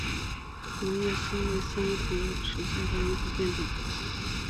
戟叶桑为桑科桑属下的一个变种。